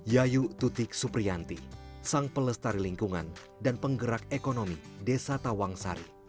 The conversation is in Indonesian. yayu tutik suprianti sang pelestari lingkungan dan penggerak ekonomi desa tawangsari